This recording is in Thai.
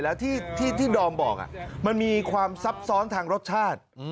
แล้วที่ดอมบอกมันมีความซับซ้อนทางรสชาติ